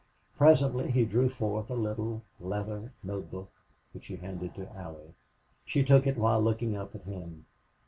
Presently he drew forth a little leather note book, which he handed to Allie. She took it while looking up at him.